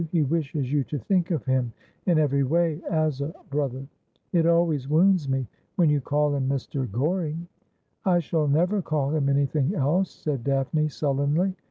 He wishes you to think of him in every way as a brother. It always wounds me when you call him Mr. G oring.' ' I shall never call him anything else,' said Daphne sullenly.